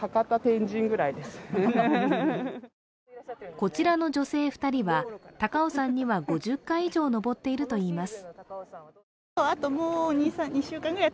こちらの女性２人は高尾山には５０回以上登っているといいます。